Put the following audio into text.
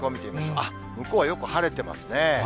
あっ、向こうはよく晴れてますね。